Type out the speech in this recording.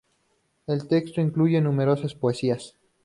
El texto incluye numerosas poesías.